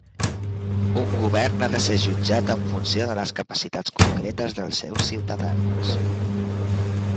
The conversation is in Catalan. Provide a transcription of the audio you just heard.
Un govern ha de ser jutjat en funció de les capacitats concretes dels seus ciutadans.